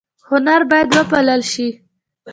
هنر باید وپال ل شي